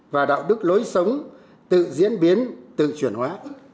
và đạo đức lối sống tự diễn biến tự chuyển hóa